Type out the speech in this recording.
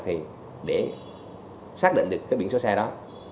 thì để xác định được cái biển xấu xa đó